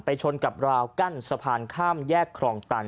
ชนกับราวกั้นสะพานข้ามแยกครองตัน